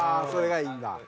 それがいいんだ。